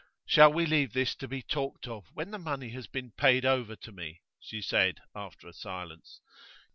'Shall we leave this to be talked of when the money has been paid over to me?' she said, after a silence.